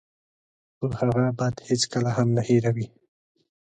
خو هغه بد هېڅکله هم نه هیروي.